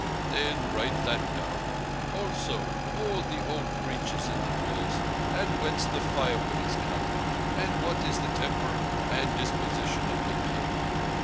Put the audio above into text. "Then write that down—also all the old breaches in the walls and whence the firewood is cut—and what is the temper and disposition of the King.